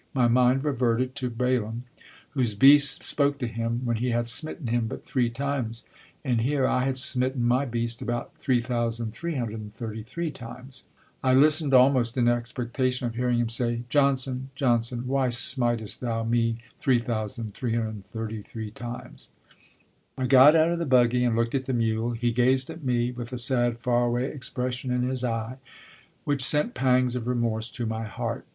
My mind reverted to Balaam, whose beast spoke to him when he had smitten him but three times and here I had smitten my beast about 3,333 times. I listened almost in expectation of hearing him say, "Johnson, Johnson, why smitest thou me 3,333 times?" I got out of the buggy and looked at the mule; he gazed at me with a sad far away expression in his eye, which sent pangs of remorse to my heart.